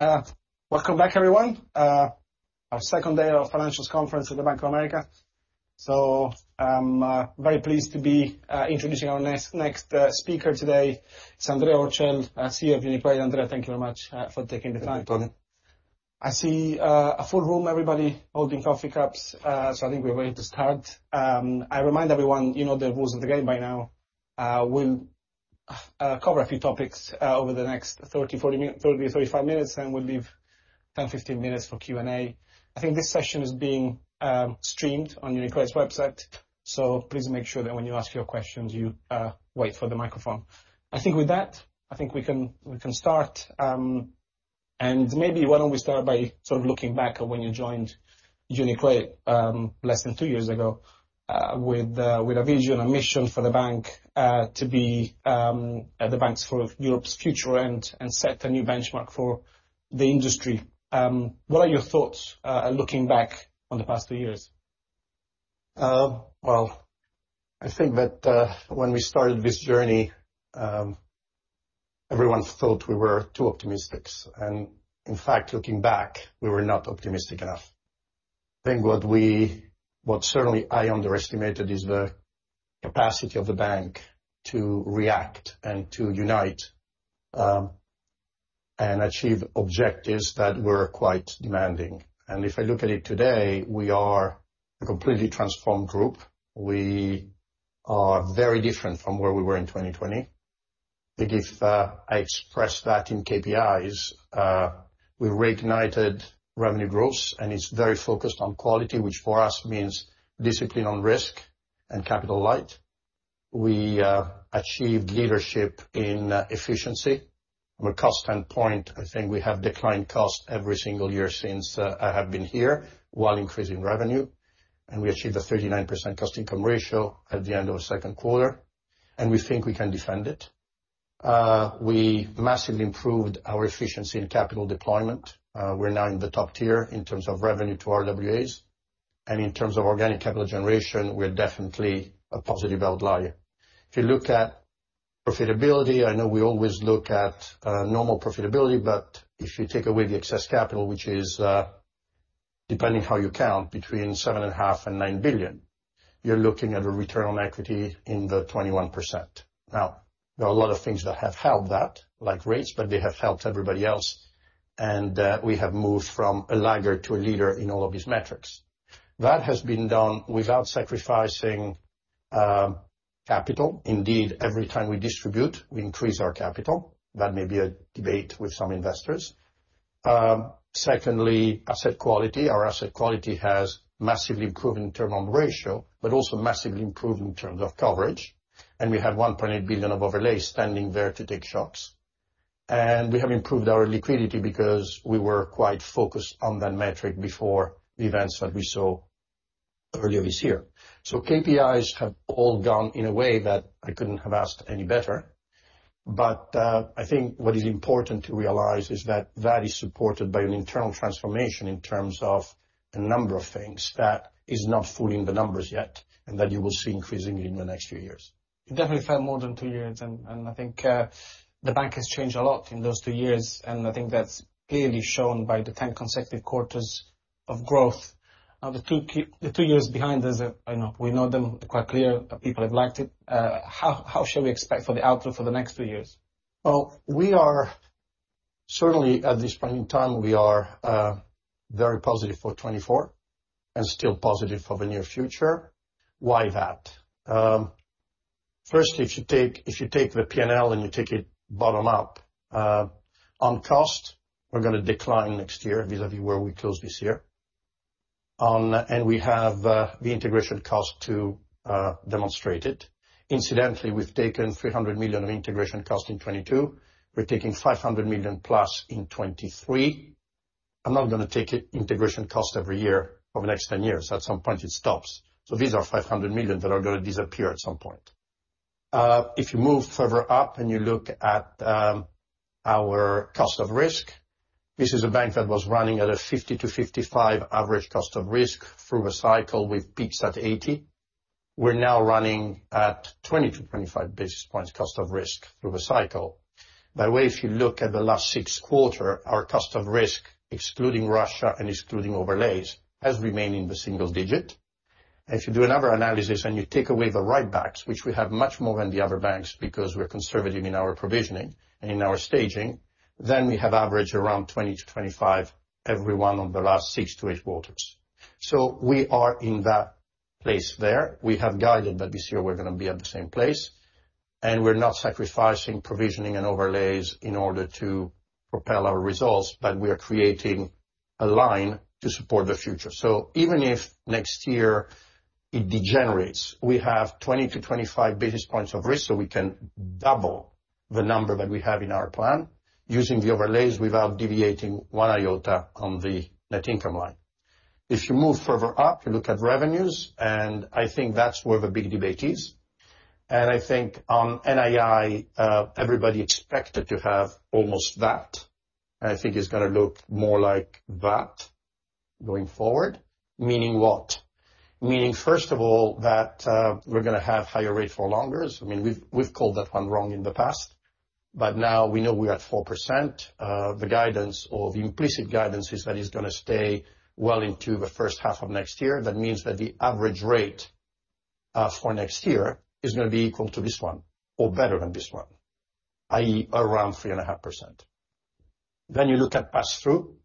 Welcome back, everyone. Our second day of Financials Conference at the Bank of America. So I'm very pleased to be introducing our next speaker today. It's Andrea Orcel, CEO of UniCredit. Andrea, thank you very much for taking the time. Thank you, Antonio. I see a full room, everybody holding coffee cups, so I think we're ready to start. I remind everyone, you know the rules of the game by now. We'll cover a few topics over the next 30-35 minutes, and we'll leave 10-15 minutes for Q&A. I think this session is being streamed on UniCredit's website, so please make sure that when you ask your questions, you wait for the microphone. I think with that, I think we can, we can start. And maybe why don't we start by sort of looking back at when you joined UniCredit, less than two years ago, with a vision, a mission for the bank, to be the banks for Europe's future and set a new benchmark for the industry. What are your thoughts, looking back on the past two years? Well, I think that, when we started this journey, everyone thought we were too optimistic, and in fact, looking back, we were not optimistic enough. I think what we... What certainly I underestimated is the capacity of the bank to react and to unite, and achieve objectives that were quite demanding. And if I look at it today, we are a completely transformed group. We are very different from where we were in 2020. I think if, I express that in KPIs, we reignited revenue growth, and it's very focused on quality, which for us means discipline on risk and capital light. We achieved leadership in efficiency. From a cost standpoint, I think we have declined cost every single year since I have been here while increasing revenue, and we achieved a 39% cost-to-income ratio at the end of the second quarter, and we think we can defend it. We massively improved our efficiency in capital deployment. We're now in the top tier in terms of revenue to RWAs, and in terms of organic capital generation, we're definitely a positive outlier. If you look at profitability, I know we always look at normal profitability, but if you take away the excess capital, which is depending how you count, between 7.5 billion and 9 billion, you're looking at a return on equity in the 21%. Now, there are a lot of things that have helped that, like rates, but they have helped everybody else, and we have moved from a lagger to a leader in all of these metrics. That has been done without sacrificing capital. Indeed, every time we distribute, we increase our capital. That may be a debate with some investors. Secondly, asset quality. Our asset quality has massively improved in terms of ratio, but also massively improved in terms of coverage, and we have 1.8 billion of overlay standing there to take shots. And we have improved our liquidity because we were quite focused on that metric before the events that we saw earlier this year. KPIs have all gone in a way that I couldn't have asked any better, but I think what is important to realize is that that is supported by an internal transformation in terms of a number of things that is not fully in the numbers yet, and that you will see increasingly in the next few years. It definitely felt more than two years, and I think the bank has changed a lot in those two years, and I think that's clearly shown by the 10 consecutive quarters of growth. The two years behind us, I know, we know them quite clear, people have liked it. How shall we expect for the outlook for the next two years? Well, we are certainly, at this point in time, we are very positive for 2024 and still positive for the near future. Why that? Firstly, if you take, if you take the P&L and you take it bottom up, on cost, we're gonna decline next year vis-à-vis where we close this year. We have the integration cost to demonstrate it. Incidentally, we've taken 300 million of integration cost in 2022. We're taking 500 million plus in 2023. I'm not gonna take integration cost every year over the next 10 years. At some point, it stops. These are 500 million that are gonna disappear at some point. If you move further up and you look at our cost of risk, this is a bank that was running at a 50-55 average cost of risk through a cycle with peaks at 80. We're now running at 20-25 basis points cost of risk through a cycle. By the way, if you look at the last six quarters, our cost of risk, excluding Russia and excluding overlays, has remained in the single-digits. If you do another analysis and you take away the write-backs, which we have much more than the other banks because we're conservative in our provisioning and in our staging, then we have averaged around 20-25, every one of the last 6-8 quarters. So we are in that place there. We have guided that this year we're gonna be at the same place, and we're not sacrificing provisioning and overlays in order to propel our results, but we are creating a line to support the future. Even if next year it degenerates, we have 20-25 basis points of risk, so we can double the number that we have in our plan using the overlays without deviating one iota on the net income line. If you move further up, you look at revenues, I think that's where the big debate is. I think on NII, everybody expected to have almost that, and I think it's gonna look more like that... going forward, meaning what? Meaning, first of all, that we're gonna have higher rate for longer. I mean, we've, we've called that one wrong in the past, but now we know we're at 4%. The guidance or the implicit guidance is that it's gonna stay well into the first half of next year. That means that the average rate for next year is gonna be equal to this one or better than this one, i.e., around 3.5%. Then you look at pass-through.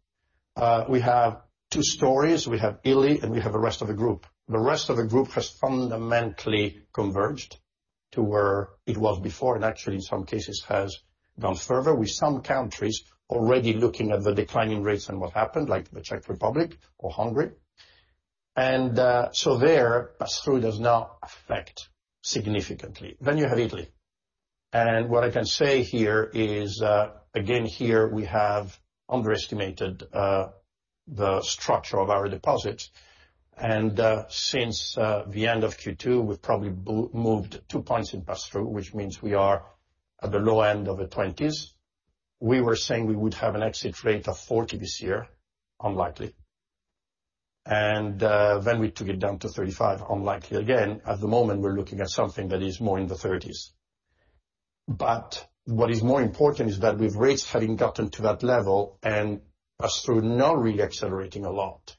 We have two stories. We have Italy, and we have the rest of the group. The rest of the group has fundamentally converged to where it was before, and actually, in some cases, has gone further, with some countries already looking at the declining rates and what happened, like the Czech Republic or Hungary. And so there, pass-through does not affect significantly. Then you have Italy, and what I can say here is, again, here we have underestimated the structure of our deposits. And since the end of Q2, we've probably moved 2 points in pass-through, which means we are at the low end of the 20s. We were saying we would have an exit rate of 40 this year, unlikely. And then we took it down to 35, unlikely again. At the moment, we're looking at something that is more in the 30s. But what is more important is that with rates having gotten to that level and pass-through not really accelerating a lot,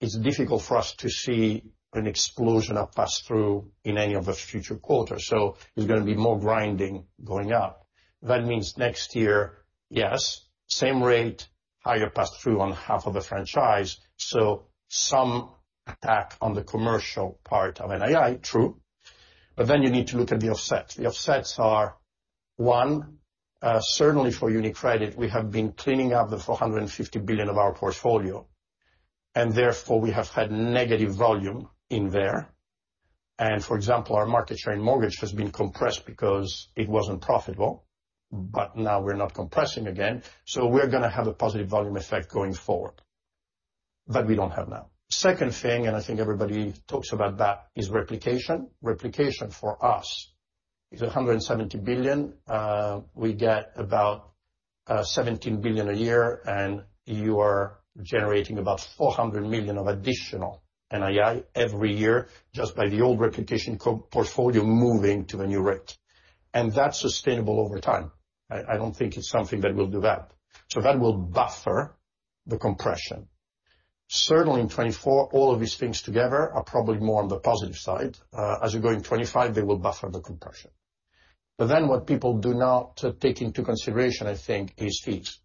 it's difficult for us to see an explosion of pass-through in any of the future quarters, so there's gonna be more grinding going up. That means next year, yes, same rate, higher pass-through on half of the franchise, so some attack on the commercial part of NII, true, but then you need to look at the offsets. The offsets are, one, certainly for UniCredit, we have been cleaning up the 450 billion of our portfolio, and therefore we have had negative volume in there. And, for example, our market share in mortgage has been compressed because it wasn't profitable, but now we're not compressing again, so we're gonna have a positive volume effect going forward that we don't have now. Second thing, and I think everybody talks about that, is replication. Replication for us is 170 billion. We get about 17 billion a year, and you are generating about 400 million of additional NII every year just by the old replication portfolio moving to the new rate. That is sustainable over time. I don't think it's something that will go up. That will buffer the compression. Certainly, in 2024, all of these things together are probably more on the positive side. As we go in 2025, they will buffer the compression. What people do not take into consideration, I think, is fees.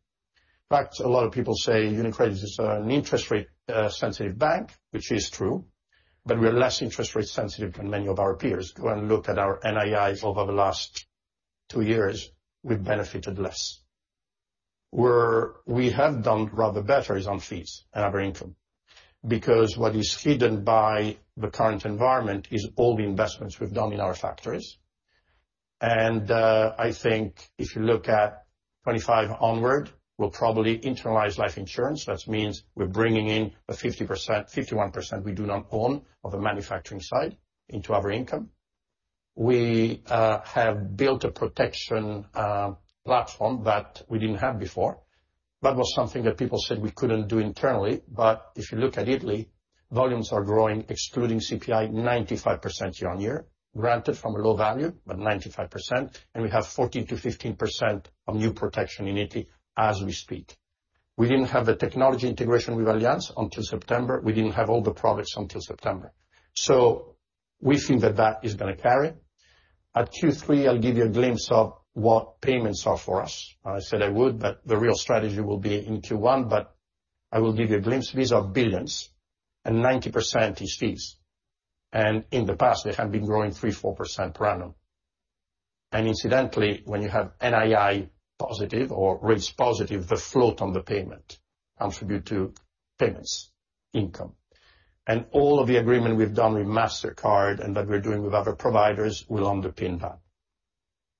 In fact, a lot of people say UniCredit is an interest rate sensitive bank, which is true, but we're less interest rate sensitive than many of our peers. Go and look at our NIIs over the last two years, we've benefited less. Where we have done rather better is on fees and other income, because what is hidden by the current environment is all the investments we've done in our factories. I think if you look at 2025 onward, we'll probably internalize life insurance. That means we're bringing in the 50%, 51% we do not own of the manufacturing side into our income. We have built a protection platform that we didn't have before. That was something that people said we couldn't do internally, but if you look at Italy, volumes are growing, excluding CPI, 95% year-over-year, granted from a low value, but 95%, and we have 14%-15% of new protection in Italy as we speak. We didn't have the technology integration with Allianz until September. We didn't have all the products until September. So we think that that is gonna carry. At Q3, I'll give you a glimpse of what payments are for us. I said I would, but the real strategy will be in Q1, but I will give you a glimpse. These are billions, and 90% is fees, and in the past, they have been growing 3%-4% per annum. And incidentally, when you have NII positive or rates positive, the float on the payment contribute to payments income. And all of the agreement we've done with Mastercard and that we're doing with other providers will underpin that.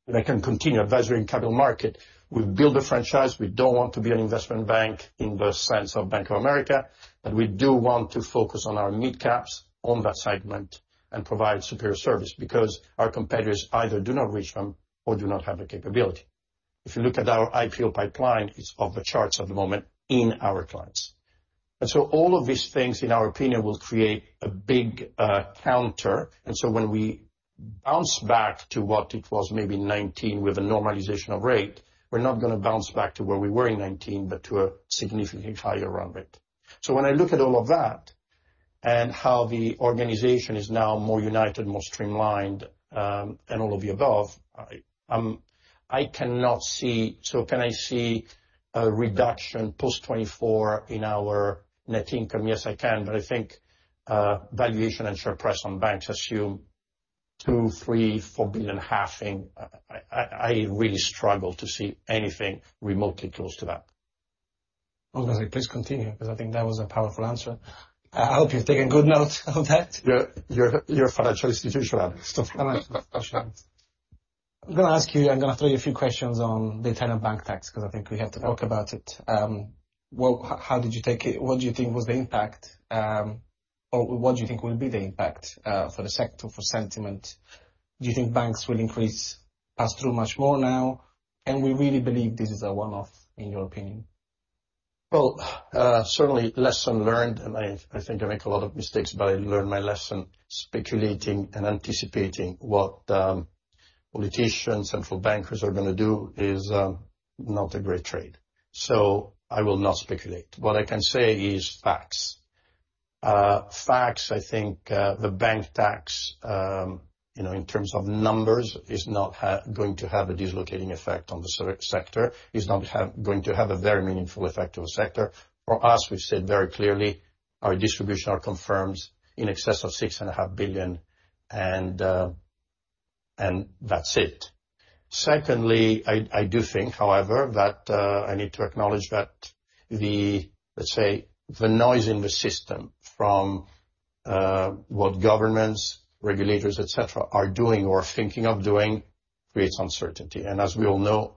And I can continue, advisory and capital market. We've built a franchise. We don't want to be an investment bank in the sense of Bank of America, but we do want to focus on our midcaps on that segment and provide superior service, because our competitors either do not reach them or do not have the capability. If you look at our IPO pipeline, it's off the charts at the moment in our clients. And so all of these things, in our opinion, will create a big counter, and so when we bounce back to what it was maybe 2019 with a normalization of rate, we're not gonna bounce back to where we were in 2019, but to a significantly higher run rate. So when I look at all of that and how the organization is now more united, more streamlined, and all of the above, I, I cannot see... So can I see a reduction post 2024 in our net income? Yes, I can, but I think, valuation and share price on banks assume 2 billion, 3 billion, 4 billion halving. I really struggle to see anything remotely close to that. I was gonna say, please continue, because I think that was a powerful answer. I hope you've taken good note of that. You're a financial institution analyst. I'm gonna ask you, I'm gonna throw you a few questions on the Italian bank tax, because I think we have to talk about it. Well, how did you take it? What do you think was the impact?... or what do you think will be the impact for the sector, for sentiment? Do you think banks will increase pass-through much more now? And we really believe this is a one-off, in your opinion. Well, certainly lesson learned, and I think I make a lot of mistakes, but I learned my lesson. Speculating and anticipating what politicians, central bankers are gonna do is not a great trade. So I will not speculate. What I can say is facts. Facts, I think, the bank tax, you know, in terms of numbers, is not going to have a dislocating effect on the sector. It's not going to have a very meaningful effect on the sector. For us, we've said very clearly, our distribution are confirmed in excess of 6.5 billion, and that's it. Secondly, I do think, however, that I need to acknowledge that the, let's say, the noise in the system from what governments, regulators, et cetera, are doing or thinking of doing creates uncertainty. And as we all know,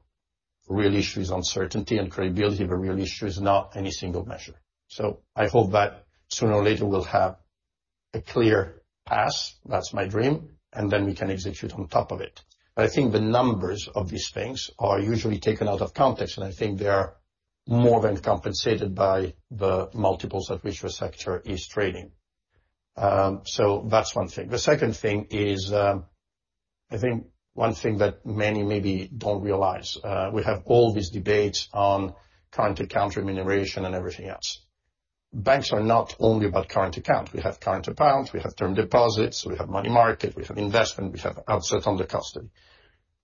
the real issue is uncertainty, and the credibility of a real issue is not any single measure. So I hope that sooner or later we'll have a clear path. That's my dream, and then we can execute on top of it. But I think the numbers of these things are usually taken out of context, and I think they are more than compensated by the multiples at which the sector is trading. So that's one thing. The second thing is, I think one thing that many maybe don't realize, we have all these debates on current account remuneration and everything else. Banks are not only about current account. We have current accounts, we have term deposits, we have money market, we have investment, we have assets under custody.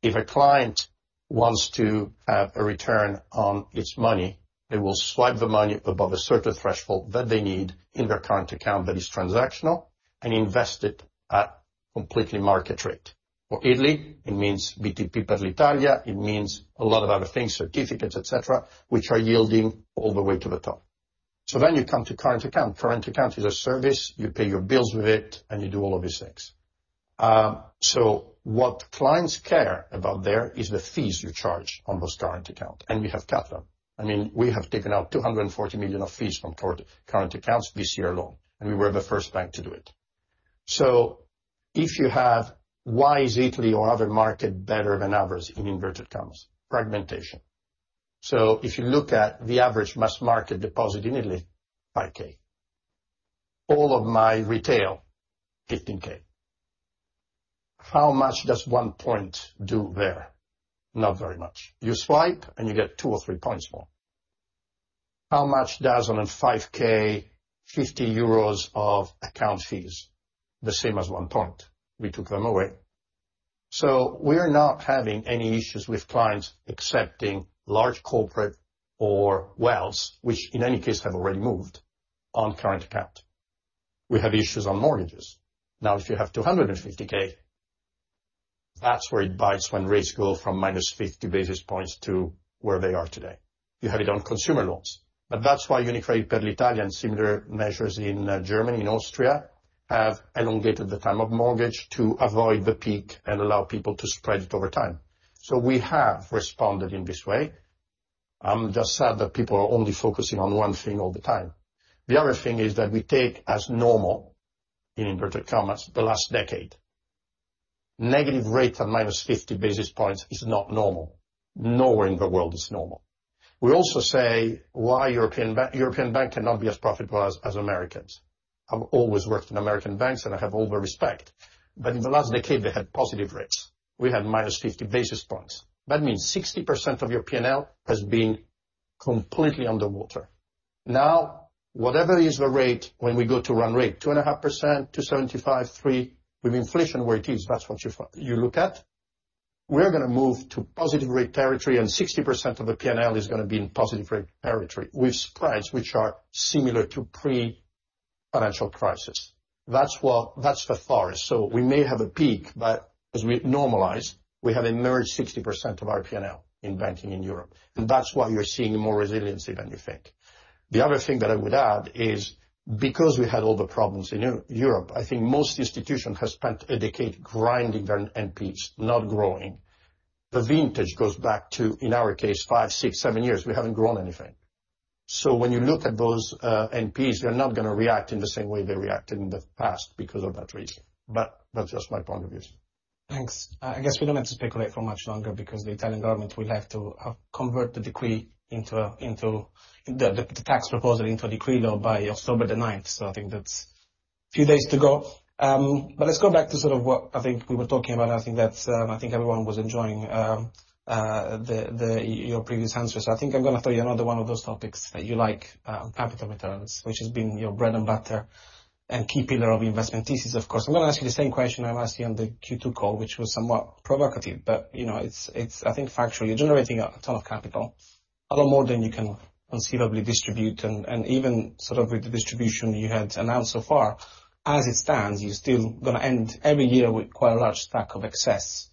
If a client wants to have a return on its money, they will swipe the money above a certain threshold that they need in their current account that is transactional and invest it at completely market rate. For Italy, it means BTP Italia, it means a lot of other things, certificates, et cetera, which are yielding all the way to the top. So then you come to current account. Current account is a service. You pay your bills with it, and you do all of these things. So what clients care about there is the fees you charge on those current account, and we have cut them. I mean, we have taken out 240 million of fees from current, current accounts this year alone, and we were the first bank to do it. If you have, why is Italy or other market better than others, in inverted commas? Fragmentation. If you look at the average mass market deposit in Italy, 5,000. All of my retail, 15,000. How much does one point do there? Not very much. You swipe, and you get two or three points more. How much does on a 5,000, 50 euros of account fees? The same as one point. We took them away. We're not having any issues with clients accepting large corporate or wealth, which in any case, have already moved on current account. We have issues on mortgages. Now, if you have 250,000, that's where it bites when rates go from -50 basis points to where they are today. You have it on consumer loans. But that's why UniCredit per l'Italia and similar measures in Germany and Austria have elongated the time of mortgage to avoid the peak and allow people to spread it over time. So we have responded in this way. I'm just sad that people are only focusing on one thing all the time. The other thing is that we take as normal, in inverted commas, the last decade. Negative rates of -50 basis points is not normal. Nowhere in the world is normal. We also say, why European bank cannot be as profitable as Americans? I've always worked in American banks, and I have all the respect, but in the last decade, they had positive rates. We had -50 basis points. That means 60% of your P&L has been completely underwater. Now, whatever is the rate, when we go to run rate, 2.5%, 2.75%, 3%, with inflation where it is, that's what you look at. We're gonna move to positive rate territory, and 60% of the P&L is gonna be in positive rate territory, with spreads which are similar to pre-financial crisis. That's what... That's the forest. So we may have a peak, but as we normalize, we have emerged 60% of our P&L in banking in Europe, and that's why you're seeing more resiliency than you think. The other thing that I would add is, because we had all the problems in Europe, I think most institutions have spent a decade grinding on NPEs, not growing. The vintage goes back to, in our case, five, six, seven years. We haven't grown anything. When you look at those NPEs, they're not gonna react in the same way they reacted in the past because of that reason, but that's just my point of view. Thanks. I guess we don't have to speculate for much longer because the Italian government will have to convert the tax proposal into a decree by October 9th. I think that's a few days to go. Let's go back to what I think we were talking about. I think everyone was enjoying your previous answers. I think I'm gonna throw you another one of those topics that you like, capital returns, which has been your bread and butter and key pillar of investment thesis, of course. I'm gonna ask you the same question I asked you on the Q2 call, which was somewhat provocative, but, you know, I think, factually, you're generating a ton of capital, a lot more than you can conceivably distribute. Even sort of with the distribution you had announced so far, as it stands, you're still gonna end every year with quite a large stack of excess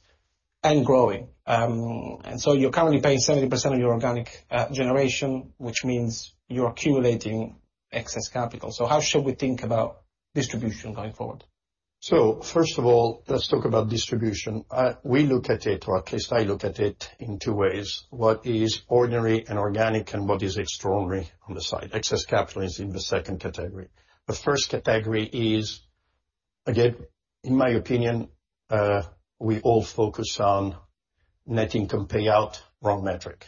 and growing. And you're currently paying 70% of your organic generation, which means you're accumulating excess capital. How should we think about distribution going forward?... So first of all, let's talk about distribution. We look at it, or at least I look at it, in two ways: what is ordinary and organic, and what is extraordinary on the side. Excess capital is in the second category. The first category is, again, in my opinion, we all focus on net income payout, wrong metric.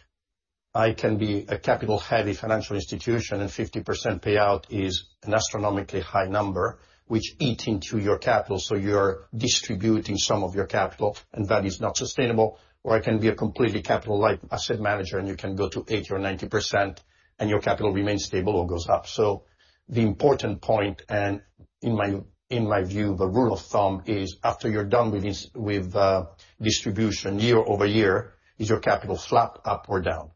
I can be a capital-heavy financial institution, and 50% payout is an astronomically high number, which eat into your capital, so you're distributing some of your capital, and that is not sustainable. Or I can be a completely capital light asset manager, and you can go to 80% or 90%, and your capital remains stable or goes up. So the important point, and in my, in my view, the rule of thumb is after you're done with this with distribution year-over-year, is your capital flat, up, or down?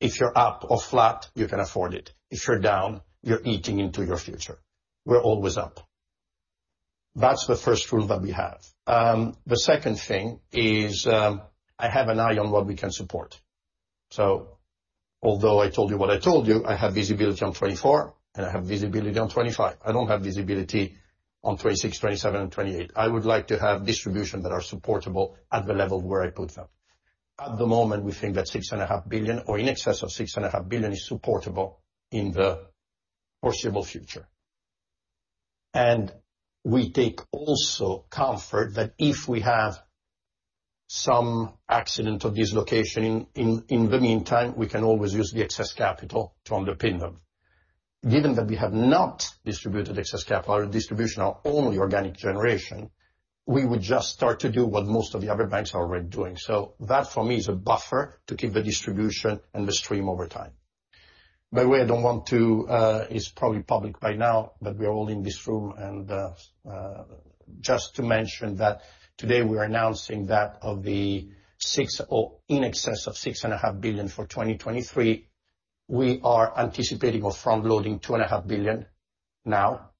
If you're up or flat, you can afford it. If you're down, you're eating into your future. We're always up. That's the first rule that we have. The second thing is, I have an eye on what we can support. So although I told you what I told you, I have visibility on 2024, and I have visibility on 2025. I don't have visibility on 2026, 2027 and 2028. I would like to have distribution that are supportable at the level where I put them. At the moment, we think that 6.5 billion, or in excess of 6.5 billion, is supportable in the foreseeable future. And we take also comfort that if we have some accident or dislocation in the meantime, we can always use the excess capital to underpin them. Given that we have not distributed excess capital, our distribution are only organic generation, we would just start to do what most of the other banks are already doing. So that, for me, is a buffer to keep the distribution and the stream over time. By the way, I don't want to. It's probably public by now, but we are all in this room, and just to mention that today, we are announcing that of the 6 billion, or in excess of 6.5 billion for 2023, we are anticipating or front-loading 2.5 billion now.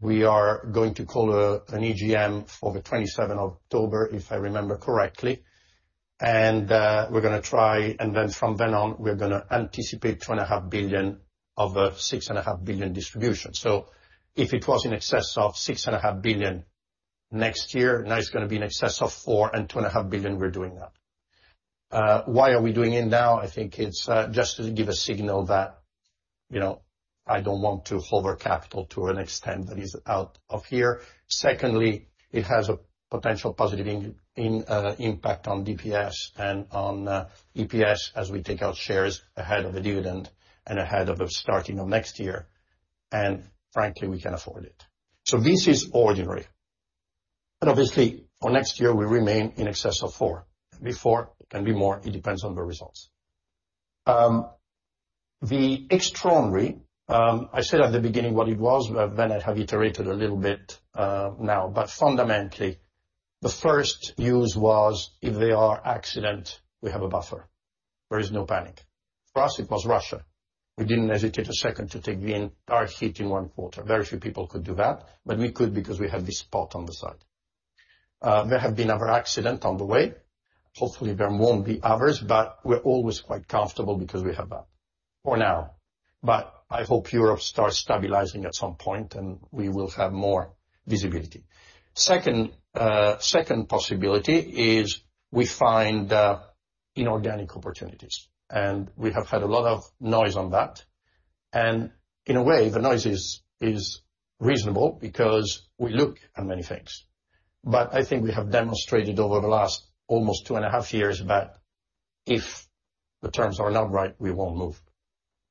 We are going to call an EGM for the October 27th, if I remember correctly. We're gonna try, and then from then on, we're gonna anticipate 2.5 billion of a 6.5 billion distribution. So if it was in excess of 6.5 billion next year, now it's gonna be in excess of 4 billion, and 2.5 billion, we're doing that. Why are we doing it now? I think it's just to give a signal that, you know, I don't want to hold our capital to an extent that is out of here. Secondly, it has a potential positive impact on DPS and on EPS as we take out shares ahead of the dividend and ahead of the starting of next year, and frankly, we can afford it. So this is ordinary. And obviously, for next year, we remain in excess of 4 billion. It can be EUR 4 billion, it can be more, it depends on the results. The extraordinary, I said at the beginning what it was, but then I have iterated a little bit, now. But fundamentally, the first use was, if there are accidents, we have a buffer. There is no panic. For us, it was Russia. We didn't hesitate a second to take the hard hit in one quarter. Very few people could do that, but we could because we have this pot on the side. There have been other accidents on the way. Hopefully, there won't be others, but we're always quite comfortable because we have that, for now. But I hope Europe starts stabilizing at some point, and we will have more visibility. Second, second possibility is we find, inorganic opportunities, and we have had a lot of noise on that. And in a way, the noise is reasonable because we look at many things. But I think we have demonstrated over the last almost two and a half years that if the terms are not right, we won't move,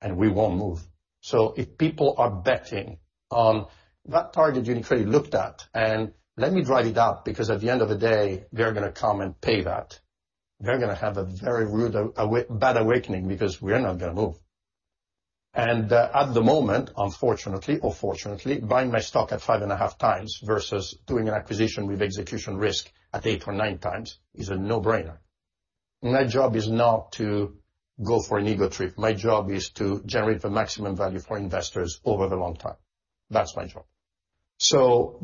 and we won't move. So if people are betting on what target UniCredit looked at, and let me write it up, because at the end of the day, they're gonna come and pay that. They're gonna have a very rude awakening because we're not gonna move. And at the moment, unfortunately or fortunately, buying my stock at 5.5x versus doing an acquisition with execution risk at 8x or 9x is a no-brainer. My job is not to go for an ego trip. My job is to generate the maximum value for investors over the long time. That's my job.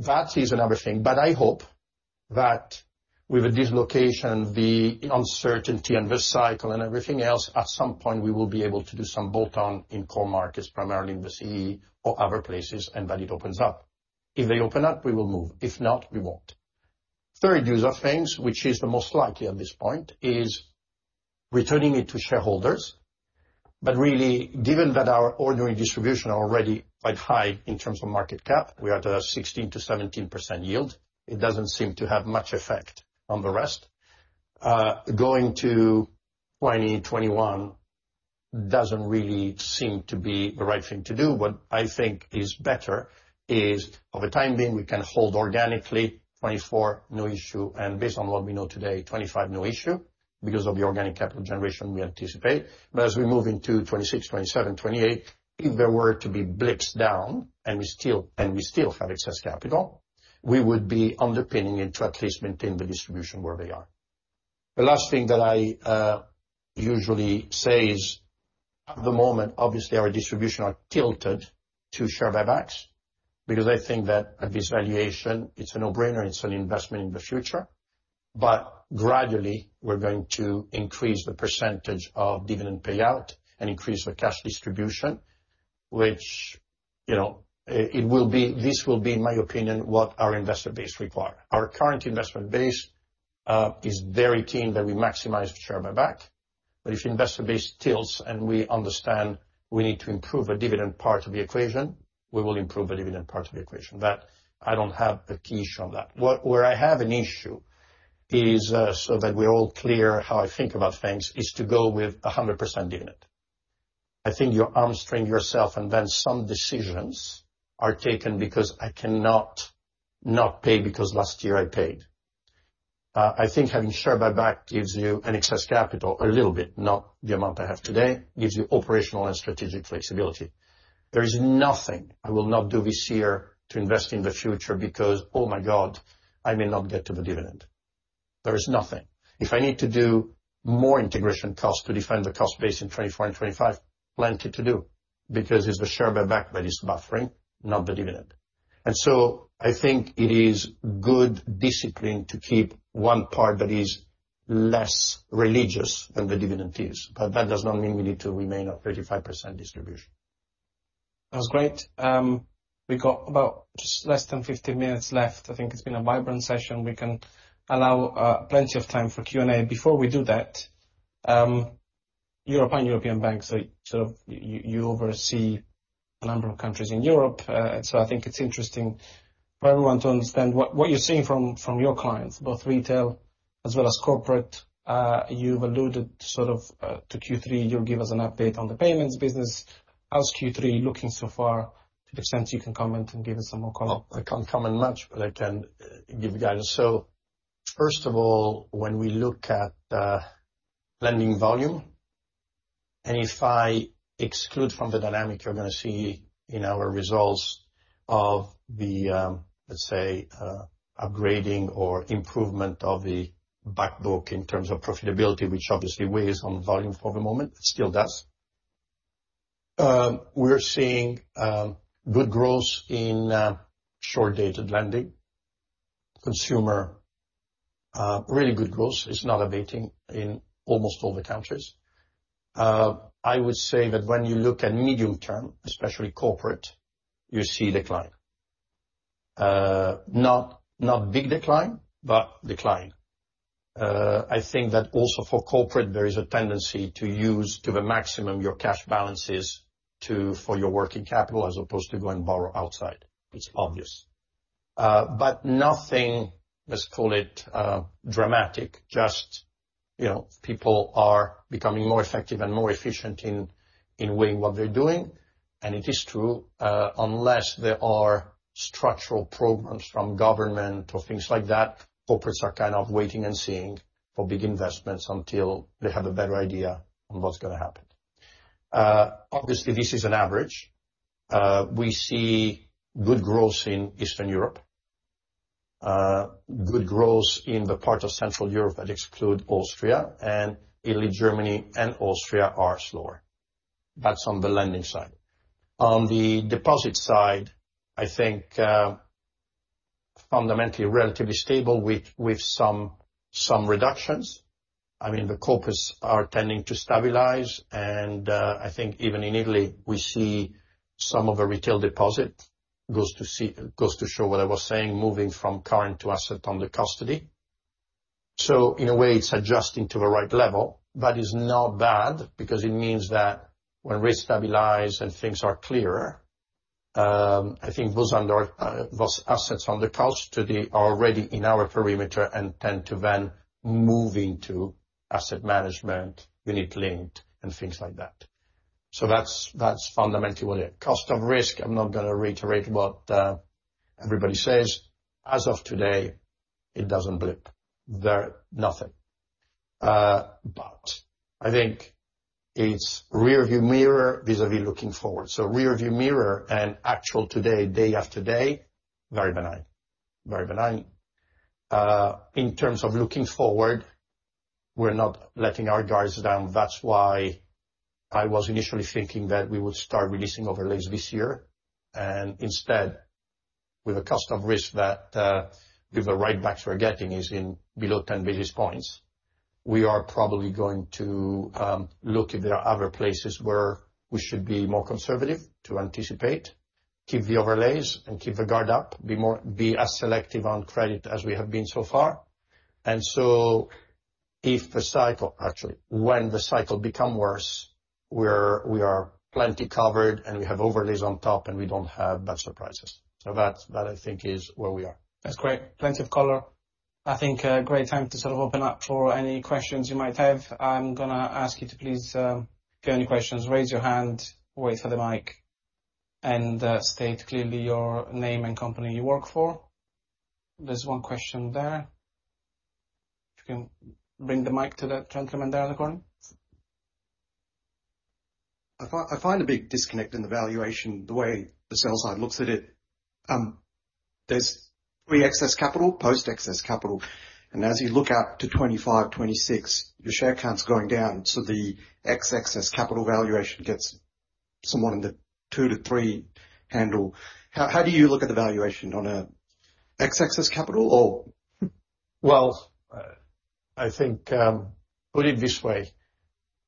That is another thing, but I hope that with the dislocation, the uncertainty and this cycle and everything else, at some point we will be able to do some bolt-on in core markets, primarily in the CE or other places, and that it opens up. If they open up, we will move. If not, we won't. Third use of things, which is the most likely at this point, is returning it to shareholders. Really, given that our ordinary distribution are already quite high in terms of market cap, we are at a 16%-17% yield, it doesn't seem to have much effect on the rest. Going to 2021 doesn't really seem to be the right thing to do. What I think is better is, over time being, we can hold organically 2024, no issue, and based on what we know today, 2025, no issue, because of the organic capital generation we anticipate. But as we move into 2026, 2027, 2028, if there were to be blips down and we still have excess capital, we would be underpinning it to at least maintain the distribution where we are. The last thing that I usually say is, at the moment, obviously, our distribution are tilted to share buybacks, because I think that at this valuation, it's a no-brainer. It's an investment in the future... but gradually, we're going to increase the percentage of dividend payout and increase the cash distribution, which, you know, it will be- this will be, in my opinion, what our investor base require. Our current investment base is very keen that we maximize the share buyback, but if investor base tilts and we understand we need to improve the dividend part of the equation, we will improve the dividend part of the equation. That, I don't have an issue on that. Where, where I have an issue is, so that we're all clear how I think about things, is to go with a 100% dividend. I think you hamstring yourself, and then some decisions are taken because I cannot not pay, because last year I paid. I think having share buyback gives you an excess capital, a little bit, not the amount I have today, gives you operational and strategic flexibility. There is nothing I will not do this year to invest in the future because, oh my God, I may not get to the dividend. There is nothing. If I need to do more integration costs to defend the cost base in 2024 and 2025, plenty to do, because it's the share buyback that is buffering, not the dividend. So I think it is good discipline to keep one part that is less religious than the dividend is, but that does not mean we need to remain at 35% distribution. That's great. We've got about just less than 15 minutes left. I think it's been a vibrant session. We can allow plenty of time for Q&A. Before we do that, you're a pan-European bank, you oversee a number of countries in Europe. I think it's interesting for everyone to understand what you're seeing from your clients, both retail as well as corporate. You've alluded sort of to Q3, you'll give us an update on the payments business. How's Q3 looking so far, to the extent you can comment and give us some more color? I can't comment much, but I can give you guidance. First of all, when we look at lending volume, and if I exclude from the dynamic, you're gonna see in our results of the, let's say, upgrading or improvement of the back book in terms of profitability, which obviously weighs on volume for the moment, it still does. We're seeing good growth in short-dated lending. Consumer, really good growth. It's not abating in almost all the countries. I would say that when you look at medium term, especially corporate, you see decline. Not big decline, but decline. I think that also for corporate, there is a tendency to use to the maximum your cash balances to... for your working capital, as opposed to go and borrow outside. It's obvious. But nothing, let's call it, dramatic. Just, you know, people are becoming more effective and more efficient in, in weighing what they're doing. It is true, unless there are structural programs from government or things like that, corporates are kind of waiting and seeing for big investments until they have a better idea on what's gonna happen. Obviously, this is an average. We see good growth in Eastern Europe, good growth in the part of Central Europe that exclude Austria, and Italy, Germany, and Austria are slower. That's on the lending side. On the deposit side, I think, fundamentally relatively stable with, with some, some reductions. I mean, the corporates are tending to stabilize, and, I think even in Italy, we see some of a retail deposit. Goes to show what I was saying, moving from current to asset under custody. In a way, it's adjusting to the right level. That is not bad, because it means that when we stabilize and things are clearer, I think those assets under custody are already in our perimeter and tend to then move into asset management, unit-linked, and things like that. That's fundamentally what it is. Cost of risk, I'm not gonna reiterate what everybody says. As of today, it doesn't blip. There, nothing. I think it's rearview mirror vis-a-vis looking forward. Rearview mirror and actual today, day after day, very benign, very benign. In terms of looking forward, we're not letting our guards down. That's why I was initially thinking that we would start releasing overlays this year. And instead, with a cost of risk that, with the write backs we're getting is in below 10 basis points, we are probably going to look if there are other places where we should be more conservative to anticipate, keep the overlays and keep the guard up, be more... be as selective on credit as we have been so far. And so if the cycle, actually, when the cycle become worse, we are plenty covered, and we have overlays on top, and we don't have bad surprises. So that, that I think is where we are. That's great. Plenty of color. I think a great time to sort of open up for any questions you might have. I'm gonna ask you to please, if you have any questions, raise your hand, wait for the mic, and state clearly your name and company you work for. There's one question there. If you can bring the mic to that gentleman there in the corner. I find a big disconnect in the valuation, the way the sell side looks at it. There's pre-excess capital, post-excess capital, and as you look out to 2025, 2026, your share count's going down, so the X excess capital valuation gets- ...somewhat in the two-three handle. How, how do you look at the valuation on a x-axis capital or? Well, I think, put it this way,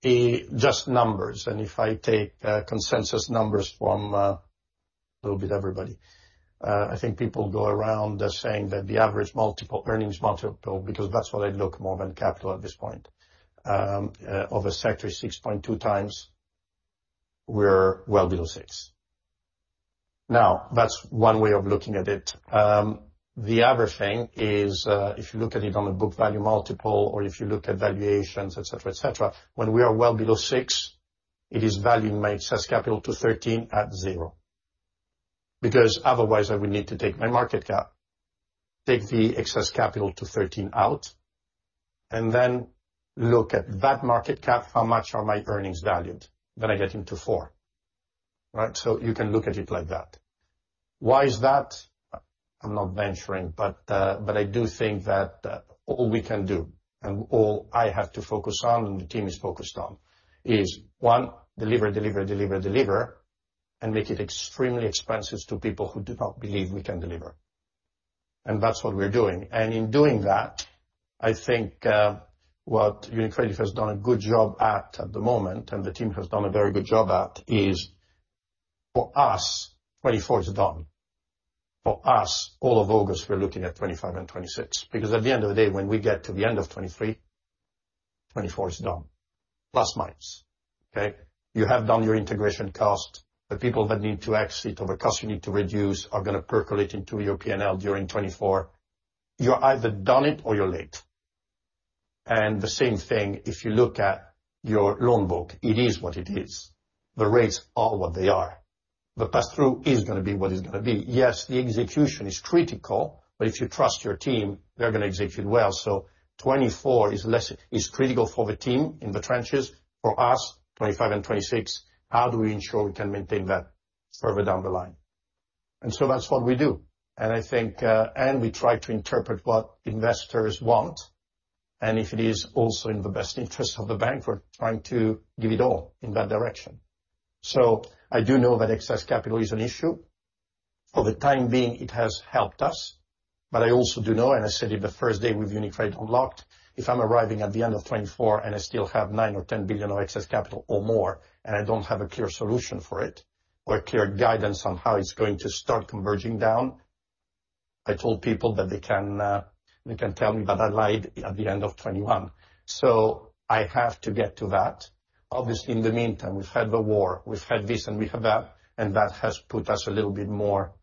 in just numbers, and if I take consensus numbers from a little bit everybody, I think people go around saying that the average multiple, earnings multiple, because that's what they look more than capital at this point, of a sector is 6.2x, we're well below 6x. Now, that's one way of looking at it. The other thing is, if you look at it on a book value multiple, or if you look at valuations, et cetera, et cetera, when we are well below 6x, it is valuing my excess capital to 13 at zero. Because otherwise I would need to take my market cap, take the excess capital to 13 out, and then look at that market cap, how much are my earnings valued? Then I get into four, right? So you can look at it like that. Why is that? I'm not venturing, but, but I do think that, all we can do, and all I have to focus on, and the team is focused on, is one, deliver, deliver, deliver, deliver, and make it extremely expensive to people who do not believe we can deliver. And that's what we're doing. And in doing that, I think, what UniCredit has done a good job at, at the moment, and the team has done a very good job at, is for us, 2024 is done. For us, all of August, we're looking at 2025 and 2026. Because at the end of the day, when we get to the end of 2023, 2024 is done, plus, minus. Okay? You have done your integration cost. The people that need to exit or the cost you need to reduce are gonna percolate into your P&L during 2024. You're either done it or you're late. And the same thing, if you look at your loan book, it is what it is. The rates are what they are. The pass-through is gonna be what it's gonna be. Yes, the execution is critical, but if you trust your team, they're gonna execute well. So 2024 is less, is critical for the team in the trenches. For us, 2025 and 2026, how do we ensure we can maintain that further down the line? And so that's what we do. And I think, and we try to interpret what investors want, and if it is also in the best interest of the bank, we're trying to give it all in that direction. I do know that excess capital is an issue. For the time being, it has helped us. I also do know, and I said it the first day with UniCredit Unlocked, if I'm arriving at the end of 2024 and I still have 9 billion or 10 billion of excess capital or more, and I don't have a clear solution for it, or a clear guidance on how it's going to start converging down, I told people that they can, they can tell me I lied at the end of 2021. I have to get to that. Obviously, in the meantime, we've had the war, we've had this, and we've had that, and that has put us a little bit more,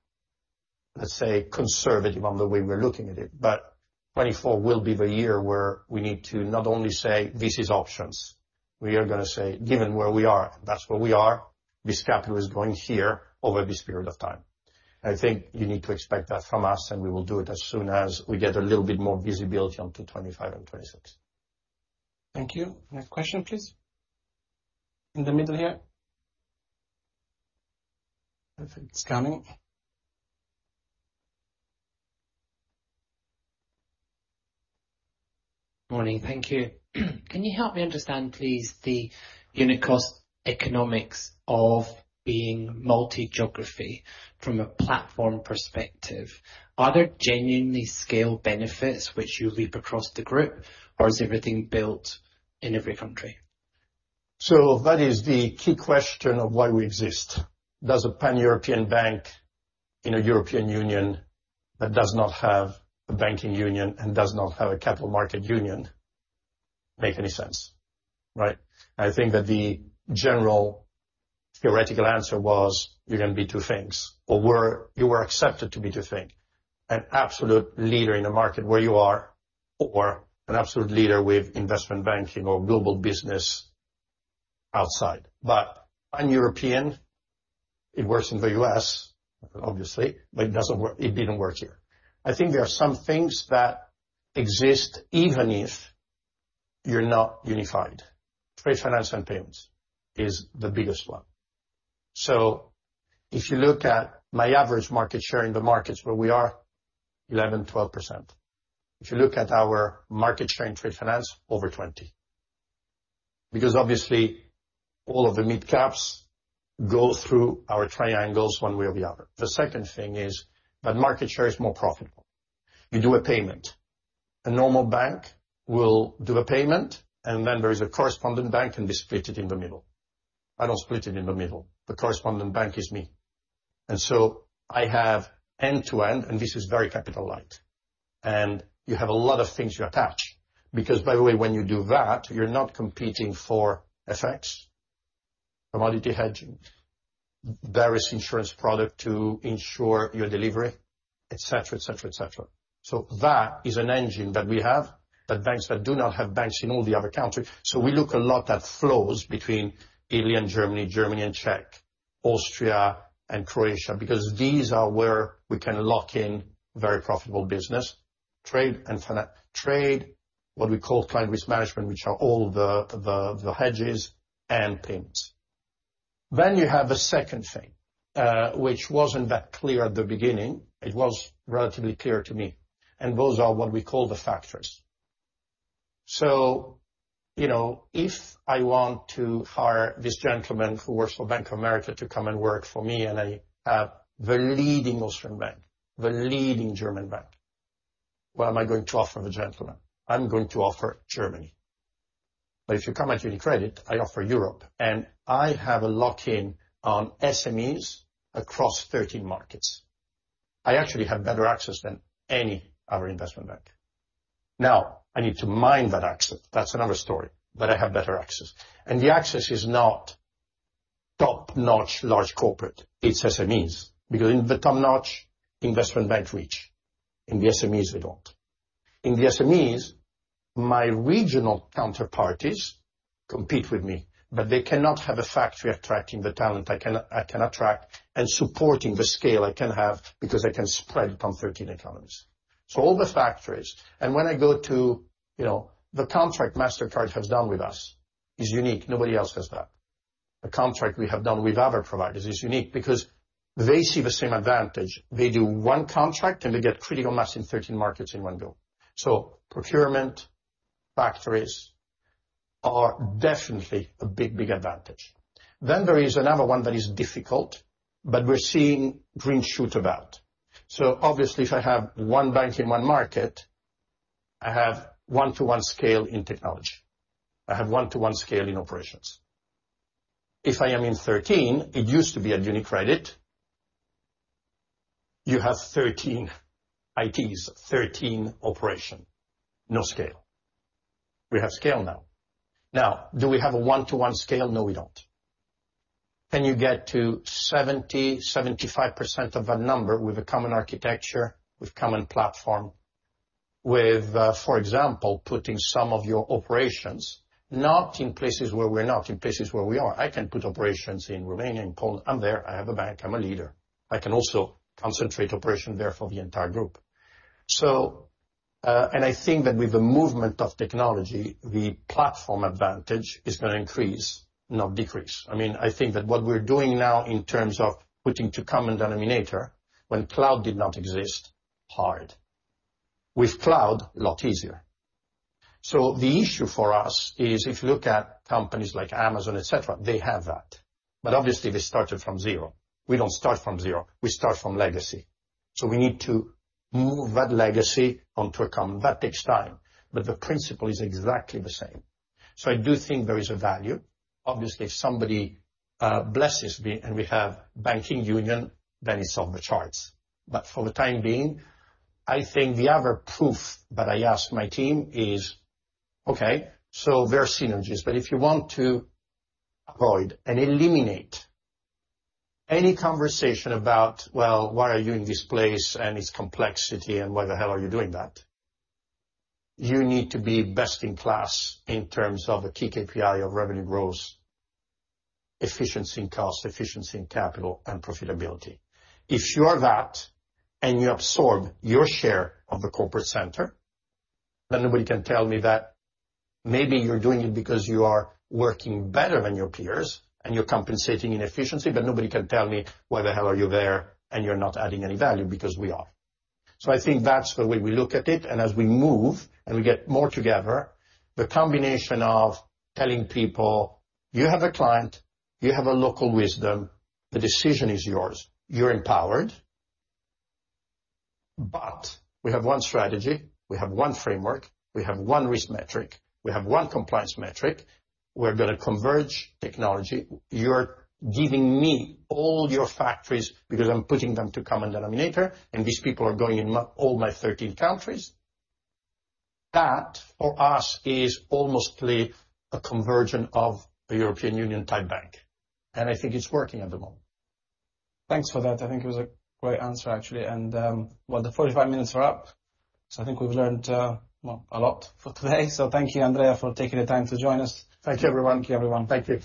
let's say, conservative on the way we're looking at it. 2024 will be the year where we need to not only say, "This is options," we are gonna say, "Given where we are, that's where we are. This capital is going here over this period of time." I think you need to expect that from us, and we will do it as soon as we get a little bit more visibility onto 2025 and 2026. Thank you. Next question, please. In the middle here. I think it's coming. Morning. Thank you. Can you help me understand, please, the unit cost economics of being multi-geography from a platform perspective? Are there genuinely scale benefits which you leap across the group, or is everything built in every country? So that is the key question of why we exist. Does a pan-European bank in a European Union, that does not have a banking union and does not have a capital market union, make any sense, right? I think that the general theoretical answer was, you're gonna be two things, or were, you were accepted to be two things: an absolute leader in the market where you are, or an absolute leader with investment banking or global business outside. But pan-European, it works in the U.S., obviously, but it doesn't work, it didn't work here. I think there are some things that exist even if you're not unified. Trade finance and payments is the biggest one. So if you look at my average market share in the markets, where we are 11%-12%. If you look at our market share in trade finance, over 20%. Because obviously, all of the mid-caps go through our triangles one way or the other. The second thing is that market share is more profitable. You do a payment. A normal bank will do a payment, and then there is a correspondent bank, and we split it in the middle. I don't split it in the middle. The correspondent bank is me. And so I have end-to-end, and this is very capital light. You have a lot of things you attach, because, by the way, when you do that, you're not competing for FX, commodity hedging, various insurance product to ensure your delivery, et cetera, et cetera, et cetera. That is an engine that we have, that banks that do not have banks in all the other countries. We look a lot at flows between Italy and Germany, Germany and Czech, Austria and Croatia, because these are where we can lock in very profitable business. Trade and finan- trade, what we call client risk management, which are all the, the, the hedges and payments. Then you have a second thing, which wasn't that clear at the beginning. It was relatively clear to me, and those are what we call the factors.... You know, if I want to hire this gentleman who works for Bank of America to come and work for me, and I have the leading Austrian bank, the leading German bank, what am I going to offer the gentleman? I'm going to offer Germany. If you come at UniCredit, I offer Europe, and I have a lock-in on SMEs across 13 markets. I actually have better access than any other investment bank. Now, I need to mine that access. That's another story, but I have better access. The access is not top-notch large corporate, it's SMEs, because in the top-notch, investment bank reach. In the SMEs, they don't. In the SMEs, my regional counterparties compete with me, but they cannot have a factory attracting the talent I can, I can attract and supporting the scale I can have, because I can spread it on 13 economies. All the factories. When I go to, you know, the contract Mastercard has done with us is unique. Nobody else has that. The contract we have done with other providers is unique because they see the same advantage. They do one contract, and they get critical mass in 13 markets in one go. Procurement factories are definitely a big, big advantage. Then there is another one that is difficult, but we're seeing green shoots about. So obviously, if I have one bank in one market, I have one-to-one scale in technology. I have one-to-one scale in operations. If I am in 13, it used to be at UniCredit, you have 13 ITs, 13 operation, no scale. We have scale now. Now, do we have a one-to-one scale? No, we don't. Can you get to 70%, 75% of that number with a common architecture, with common platform, with, for example, putting some of your operations, not in places where we're not, in places where we are. I can put operations in Romania and Poland. I'm there, I have a bank, I'm a leader. I can also concentrate operation there for the entire group. So, and I think that with the movement of technology, the platform advantage is gonna increase, not decrease. I mean, I think that what we're doing now in terms of putting to common denominator when cloud did not exist, hard. With cloud, a lot easier. So the issue for us is, if you look at companies like Amazon, et cetera, they have that, but obviously they started from zero. We don't start from zero, we start from legacy. So we need to move that legacy onto a common. That takes time, but the principle is exactly the same. So I do think there is a value. Obviously, if somebody, blesses me and we have banking union, then it's off the charts. But for the time being, I think the other proof that I ask my team is, okay, so there are synergies, but if you want to avoid and eliminate any conversation about, "Well, why are you in this place, and its complexity, and why the hell are you doing that?" You need to be best in class in terms of a key KPI of revenue growth, efficiency in cost, efficiency in capital and profitability. If you are that, and you absorb your share of the corporate center, then nobody can tell me that maybe you're doing it because you are working better than your peers and you're compensating in efficiency, but nobody can tell me why the hell are you there and you're not adding any value, because we are. So I think that's the way we look at it, and as we move and we get more together, the combination of telling people, "You have a client, you have a local wisdom, the decision is yours, you're empowered," but we have one strategy, we have one framework, we have one risk metric, we have one compliance metric. We're gonna converge technology. You're giving me all your factories because I'm putting them to a common denominator, and these people are going in my—all my 13 countries. That, for us, is almost a conversion of a European Union-type bank, and I think it's working at the moment. Thanks for that. I think it was a great answer, actually. And, well, the 45 minutes are up, so I think we've learned, well, a lot for today. So thank you, Andrea, for taking the time to join us. Thank you, everyone. Thank you, everyone. Thank you.